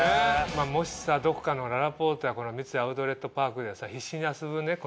もしさどこかのららぽーとや三井アウトレットパークでさ。